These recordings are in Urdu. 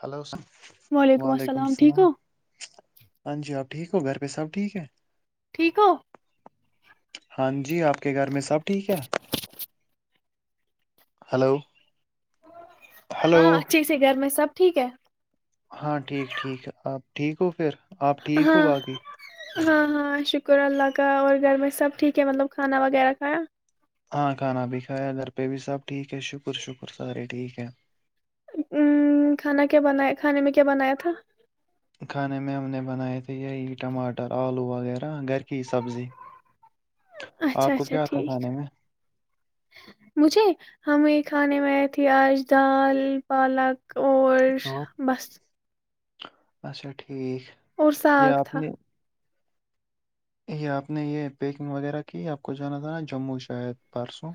ہلو سر وعلیکم السلام ہاں جی آپ ٹھیک ہو گھر پہ سب ٹھیک ہے ٹھیک ہو ہاں جی آپ کے گھر میں سب ٹھیک ہے ہلو ہلو ہاں اچھے سے گھر میں سب ٹھیک ہے ہاں ٹھیک ٹھیک آپ ٹھیک ہو پھر آپ ٹھیک ہو ہاں باقی ہاں ہاں شکر اللہ کا اور گھر میں سب ٹھیک ہے مطلب کھانا وغیرہ کھایا پے بھی سب ٹھیک ہے شکر شکر سارے ٹھیک ہے ا کھانا کیا بنایا کھانے میں کیا بنایا تھا کھانے میں ہم نے بنائے تھے یہی ٹماٹر آلو وغیرہ گھر کی ہی سبزی اچھا آپ کو اچھا کیا آتا ٹھیک کھانے میں مجھے ہم یہ کھانے میں پ پیاز ڈال پالک اور اور بس [unintelligible] اچھا ٹھیک اور ٹھیک ساگ تھا اپنے یہ آپ نے یہ پیکنگ وغیرہ کی آپ کو جانا تھا نا جموں شاید پرارسوں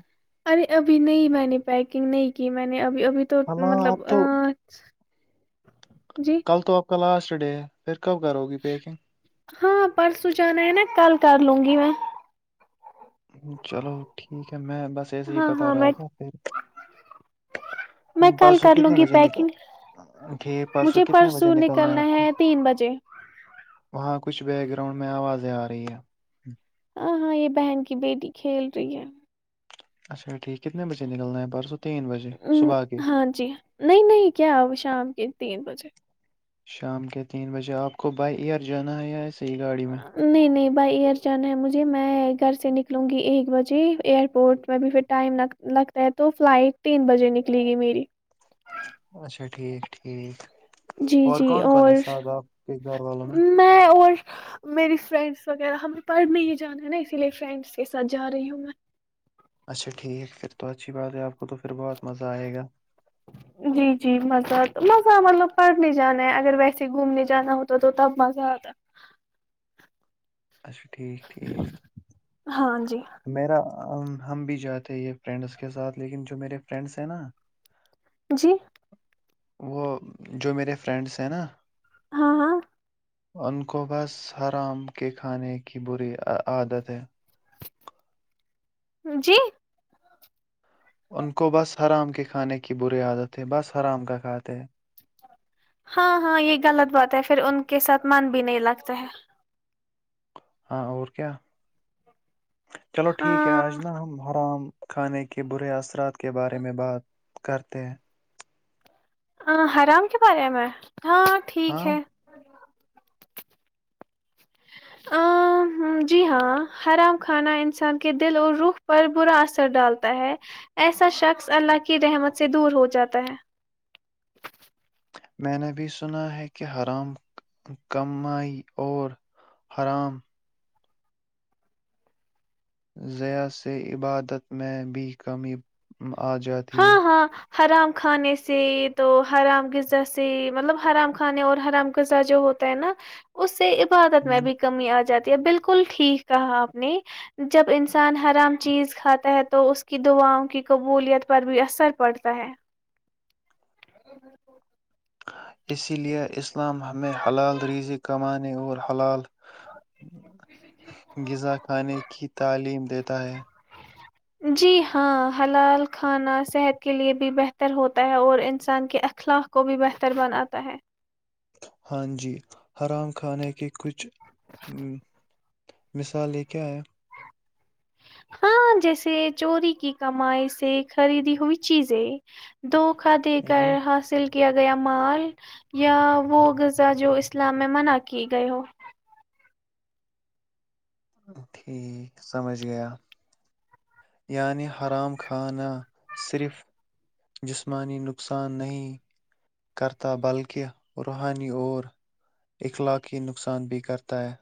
ارے ابھی بھی میں نے پیکنگ نہیں کی میں نے اب اب ابھی تو ہاں مطلب آپ تو جی کل تو آپ لاسٹ ڈے پھر کب کرو گی پیکنگ ہاں پرسوں جانا ہے نا کل کر لوں گی میں چلو ٹھیک ہے میں بس ایسے ہی ہاں بتا ہاں میں رہا تھا پھر میں کل پرسوں کر لوں کتنے گی بجے پیکنگ نکل ٹھیک پرسوں کتنے بجے نکلنا ہے آپ کو وہاں کچھ بیکگراؤنڈ میں آوازیں آ رہی ہے ہ ہاں یہ بہن کی بیٹی کھیل رہی ہے اچھا ٹھیک کتنے بجے نکلنا ہے پرسوں تین بجے ہ صبح کے ہاں جی نہیں نہیں کیا ہو شام کے تین بجے شام کے تین بجے آپ کو بائی ایئر جانا ہے یا ایسے ہی گاڑی میں نہیں نہیں بائی ایئر جان ہے مجھے میں گھر سے نک ن لوں گی ایک بجے ایئر پورٹ میں بھی پھر ٹائم لگتا ہے تو فلائٹ تین بجے نکلے گی میری اچھا ٹھیک ٹھیک جی جی کون کون اور ہے ساتھ آپ کے گھر والوں میں اور میری فرینڈس وغیرہ ہمیں پڑھ نہیں جانا ہے نا اسی لیے فرینڈس کے ساتھ جا رہی ہوں میں اچھا ٹھیک ہے پھر تو اچھی بات ہے آپ کو تو پھر بہت مزہ آئے گا جی جی مزہتا مزہ مطلب پڑھنے جانا ہے اگر ویسے گھومنے جانا ہوتا تو تب مزہ آتا اچھا ٹھیک ٹھیک ہاں جی میرا ہم بھی جاتے یہ فرینڈس کے ساتھ لیکن جو میرے فرینڈس ہیں نا جی وہ جو میرے فرینڈس ہیں نا ہاں ہاں ان کو بس حرام کے کھانے کی بری عادت ہے جی ان کو بس حرام کے کھانے کی بری عادت ہے بس ہا رام کا کھاتے ہیں ہاں ہاں یہ غلط بات ہے پھر ان کے ساتھ من بھی نہیں لگتا ہے ہاں اور کیا چلو ٹھیک ہے آج ہاں نا ہم حرام کھانے کے برے اثرات کے بارے میں بات کرتے ہیں ہ حرام کے بارے میں ہاں ٹھیک ہاں ہے ا جی ہاں حرام کھانا انسان کے دل اور رخ پر برا اثر ڈالتا ہے ایسا شخص اللہ کی رحمت سے دور ہو جاتا ہے میں نے بھی سنا ہے کہ حرام کمائی اور حرام ضیا سے عبادت میں بھی کمی آ جاتی ہے ہاں ہاں حرام کھانے سے تو حرام غذا سے مطلب حرام کھانے اور حرام غذا جو ہوتا ہے نا اس سے عادت میں ہوں بھی کمی آ جاتی بالکل ٹھیک کہا آپ نے جب انسان ہرام چیز کھاتا ہے تو اس کی دعاؤں کی قبولیت پر بھی اثر پڑتا ہے ا [inaudible] اسی لیے اس اسلام ہمیں حلال ریزی کمان اور حلال غذا کھانے کی تعلیم دیتا ہے جی ہاں حلال کھانا صحت کے لیے بھی بہتر ہوتا ہے اور انسان کے اخلاق کو بھی بہتر بناتا ہے ہاں جی آرام کھانے کی کچھ مثالیں کیا ہے ہاں جیسے چوری کی کمائی سے خریدی ہوئی چیزیں دو کھا دے ہوں، کر حاصل کیا گیا مال یا وہ غذا جو اسلام میں منع کی گئے ہو ٹھیک سمجھ گیا یعنی حرام کھانا صرف جسمانی نقصان نہیں کرتا بلکہ روحانی اور اخلاقی نقصان بھی کرتا ہے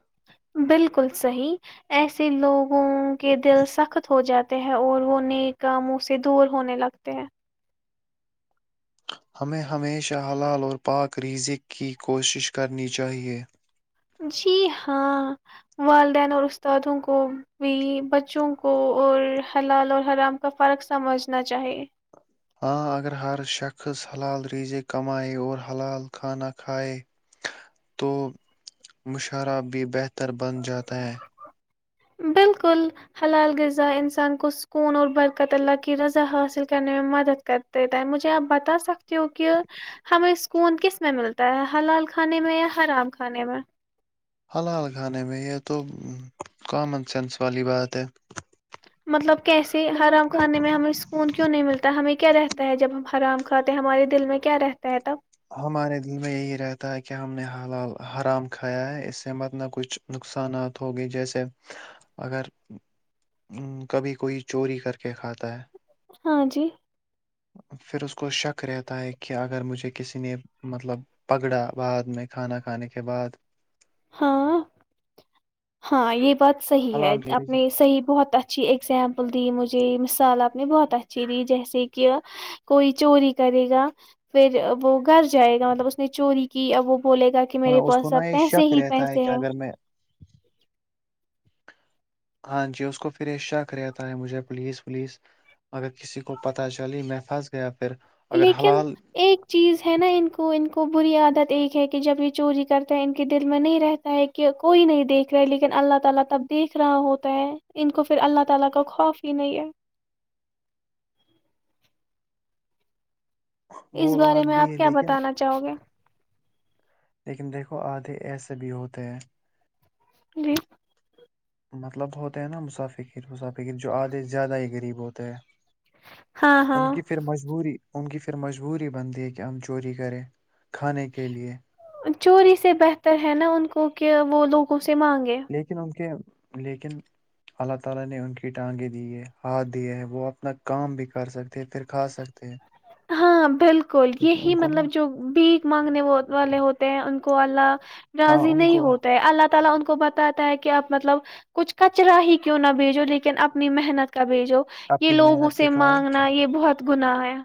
بالکل صحی ایسے لوگ گھوم کے دل سخت ہو جاتا ہیں اور وہ نئے کاموں سے دور ہونے لگتے ہیں ہمیں ہمیشہ حلال اور پاک ریزک کی کوشش کرنی چاہیے جی ہاں والدین اور استادوں کو بھی بچوں کو اور حلال اور حرام کا فرق سمجھنا چاہیے ہاں اگر ہر شخص حلال ریزے کمائے اور حلال کھانا کھائے تو مشرہ بھی بہتر بن جاتا ہے بالکل حلال غذا انسان کو سکون اور برکت اللہ کی رضا حاصل کرنے میں مدد کرتے تھے مجھے آپ بتا سکتے ہو کہ ہمیں سکون کس میں ملتا ہے حلال کھانے میں یا حرام کھانے میں حلال کھانے میں یہ تو کامن سینس والی بات ہے مطلب کیسے حرام مطلب کیا کھانے میں ہمیں سکون کیوں نہیں ملتا ہمیں کیا رہتا ہے جب ہم حرام کھے ہمے دل میں کیا رہتے ہمارے دل میں یہی رہتا ہے کہ کیا ہم نے حال حال حرام کھایا ہے اس سے مت نہ کچھ نقصانات ہوگی جیسے اگر کبھی کوئی چوری کر کے کھاتا ہے ہاں جی پھر اس کو شک رہتا ہے کہ اگر مجھے کسی نے مطلب پگڑا بعد میں کھانا کھانے کے بعد ہاں ہاں یہ بہت صحیح ہے حلال رزق- اپنے صحی بہت اچھ اچھی اگزامپل دی مجھے مثال آپ نے بہت اچھی دی جیسے کہ کوئی چوری کرے گا پھر وہ گھر جائے گا مطلب اس نے چوری کی ا وہ بولے گا کہ میرے پاس اب پیسے ہی تا ہے پیسے کہ ہیں اگر میں ہاں جی اس کو پھر شک رہتا ہے مجھے پلیز ولیز اگر کسی کو پتہ چل میں پھنس گیا پھر اگر لیکن حلال ایک چیز ہے نا ان کو ان کو بری عادت ایک ہے کہ جب یہ چوری کرتا ہے ان کے دل میں نہیں رہتا ہے کہ کوئی نہیں دیکھ رہا لیکن اللہ تعالی تب دیکھ رہا ہوتا ہے ان کو پھر اللہ تعالی کا خوف ہی نہیں ہے اس وہ بارے بات میں بھی آپ ہے کیا لیکن بتانا چاہو گے؟ لیکن دیکھو آدھے ایسے بھی ہوتے ہیں جی مطلب ہوتے ہیں نا مسافقیر مسافقیر جو آدھے زیادہ ہی غریب ہوتے ہیں ہاں ہاں ان کی پھر مجبوری ان کی پھر مجبوری بنتی ہے کہ ہم چوری کریں کھانے کے لے چوری سے بہتر ہے نا ان کو کہ وہ لوگوں سے مانگے لیکن ان کے لیکن اللہ تعالی نے ان کی ٹانگیں دی ہے ہاتھ دیا ہے وہ اپنا کام بھی کر سکتے ہیں پھر کھا سکتے ہیں ہاں بالکل لیکن یہی ان کو نا مطلب جو بھیک مانگنے والے ہوتے ہیں ان کو اللہ ہاں راضی ان نہیں کو ہوتا ہے اللہ اللہ تعالی ان کو بتاتا ہے کہ آپ مطلب کچھ کچرا ہی کیوں نہ بیجو لیکن اپنی محنت کا بھیجو یہ اپنی لوگوں محنت سے مانگنا یہ بہت گنا ہے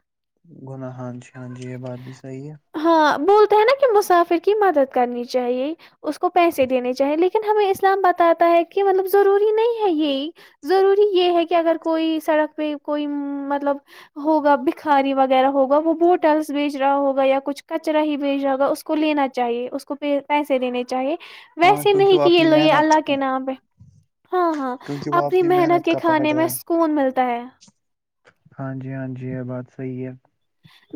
گناہان جی ہان جی یہ بات بھی صحیح ہے ہاں بول ہے نا کہ مسافر کی مدد کرنی چاہیے اس کو پیسے دینے چاہیے لیکن ہمیں اسلام بتاتا ہے کہ مطلب ضروری نہیں ہے یہی ضروری یہ ہے کہ اگر کوئی سڑک پہ کوئی مطلب ہوگا بکھاری وغیرہ ہوگا وہ بوٹلس بیچ رہا ہوگا یا کچھ کچرا ہی بھیجائے گا اس کو لینا چاہیے اس کو پیسے دینے چاہیے ہاں ویسے کیونکہ نہیں وہ کہ یہ اپنی لو یہ محنت اللہ کے نام پہ ہاں ہاں کیونکہ وہ اپنی محنت کے کا پکڑ کھانے رہا میں ہے سکون ملتا ہے ہاں جی ہاں جی یہ بات صحی ہے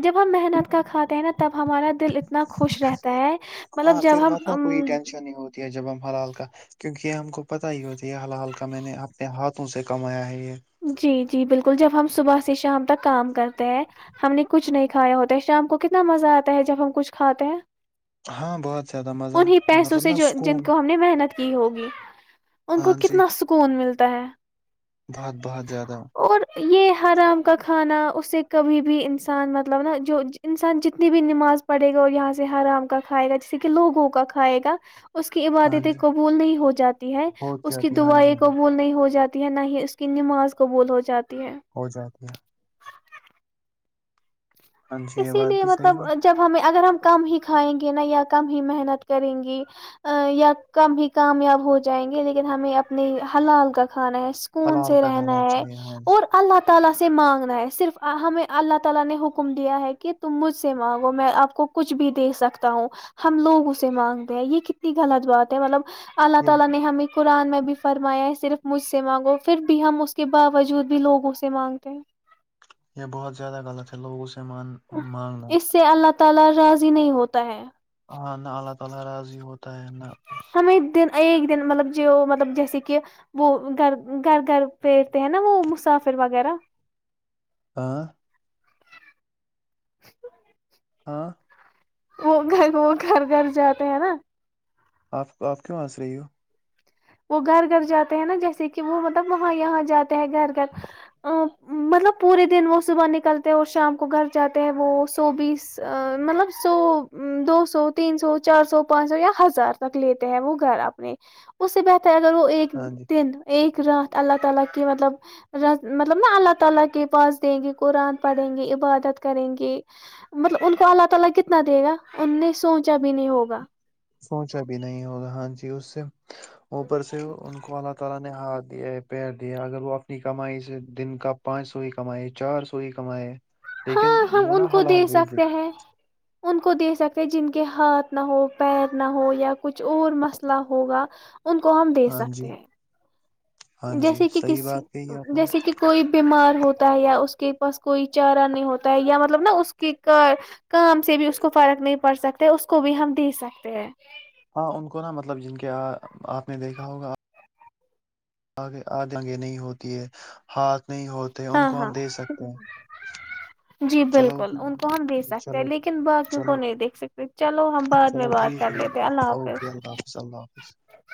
جب ہم محنت کا کھاتے ہیں نا تب ہمارا دل اتنا خوش رہتا ہے مطلب ہاں جب پھر ہم متا کوئی ام ٹینشن نہیں ہوتی ہے جب ہم ہر حال کا کیونکہ یہ ہم کو پت ہی ہوتی ہے حال حال کا میں نے اپنے ہاتھوں سے کمایا ہے یہ جی جی بالکل بالکل جب ہم صبح سے شام تک کام کرتے ہیں ہم نے کچھ نہیں کھایا ہوتا ہے شام کو کتنا مزہ آتا ہے جب ہم کچھ کھاتے ہیں ہاں بہت زیادہ مزہ انیں پیسوں مطلب سے نا جو جن سکون کو ہم نے محنت کی ہوگی ان کو ہاں جی کتنا سکون ملتا ہے بہت بہت زیادہ اور یہ حرام کا کھانا اسے کبھی بھی انسان مطلب نا جو انسان جتنی بھی نماز پڑے گا اور یہاں سے ہرام کا کھائے گا جیسے کہ لوگوں کا کھائے گا اس کی ہاں عبادتیں جی قبول نہیں ہو جاتی ہے ہو اس کی جاتی ہے ہاں جی دعائیں ہاں جی قبول نہیں ہو جاتی نہیں اس کی نماز قبول ہو جاتی ہے ہو جاتی ہیں جی یہ اسی بات لیے بھی مطلب صحیح ہے جب ہمیں اگر ہم کم ہی کھائیں گے نا یا کم ہی محنت کریں گی یا کم ہی کامیاب ہو جائیں گے لیکن ہمیں اپنی حلال کا کھانا ہے سکون حلال سے کا رہنا کھانا ہے چاہیے ہاں جی اور اللہ ت ہمیں اوپر والے سے مانگنا ہے لیا ہے کہ تم مجھ سے مانگو میں آپ کو کچھ بھی دے سکتا ہوں ہم لوگ اسے مانگتے ہیں یہ کتنی غلط بات ہے مطلب اللہ یہ تعالی نے ہمیں قرآن میں بھی فرمایا ہے صرف مجھ سے مانگو پھر بھی ہم اس کے باوجود بھی لوگوں سے مانگتے ہیں یہ بہت زیادہ غلط ہے لوگوں اسی سامان مانگنا تالا راضی نہیں ہوتا ہے ہ اللہ تعالی راضی ہوت ت ن [unintelligible] ہمیں دن ایک دن مطلب جو مطلب جیسے کہ وہ گھر گھر گھر پیرتے ہیں نا وہ مسافر وغیرہ ہ [unintelligible] ہاں وہ گھر وہ گھر گھر جاتے ہیں نا آپ آپ کیوں ہنس رہی ہو وہ گھر گھر جاتے ہیں نا جیسے کہ وہ مطلب وہاں یہاں جاتے گھر گھر ا مطلب پورے دن وہ صبح نکلتے ہیں اور شام کو گھر جاتے ہیں وہ سو بیس مطلب سو دو سو تین سو چار سو پانچ سو یا ہزار تک لیتے ہیں وہ گھر اپنے اس سے ب کر وہ ایک ہاں جی دن ایک جب ہم اپنے اپیئرز کرتے ہیں دعا کرتے ہیں تو اوپر والا ہمیں کتنا دے گا ہم کبھی سوچ بھی نہیں سکتے [inaudible] لیکن ہاں ہم وہ نا ان کو دے حلال سکتے رزق ہیں ان کو دے سکتے جن کے ہاتھ نہ ہو پیر نہ ہو یا کچھ اور مسئلہ ہوگا ان کو ہم دے ہاں جی سکتے ہیں ہاں جی جیسے کہ صحیح کسی بات کہی آپ نے جیسے کہ کوئی بیمار ہوتا ہے یا اس کے پاس کوئی چارہ نہیں ہوتا ہے یا مطلب نا اس کے کا کام سے بھی اس کو فرق نہیں پڑ سکتا اس کو بھی ہم دے سکتے ہیں کیا آپ نے دیکھا ہوگا آگے آ جنگے نہیں ہوتی ہے ہاتھ نہیں ہوتے ان ہاں کو ہم ہاں دے سکتے ہیں جی چلو بالکل ان کو ہم دیک سکتے ہیں چلو لیکن بعد میں کو چلو نہیں دیکھ سکتے چلو ہم بعد میں چلو بات ٹھیک کر لیتے ہے اللہ اوکے اللہ اللہ حافظ